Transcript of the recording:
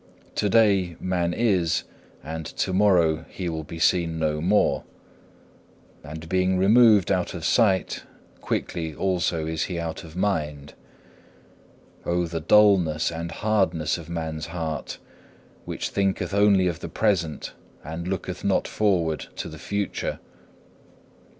To day man is, and to morrow he will be seen no more. And being removed out of sight, quickly also he is out of mind. O the dulness and hardness of man's heart, which thinketh only of the present, and looketh not forward to the future.